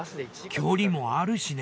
距離もあるしね。